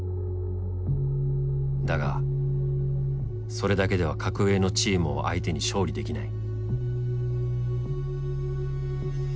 だがそれだけでは格上のチームを相手に勝利できない。